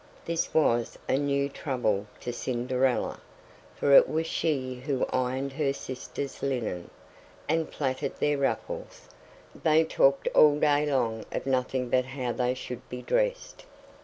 This was a new trouble to Cinderella; for it was she who ironed her sisters' linen, and plaited their ruffles; they talked all day long of nothing but how they should be dressed.